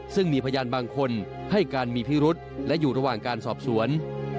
ซึ่งมีพยานบางคนให้การมีพิรุษและอยู่ระหว่างการสอบสวน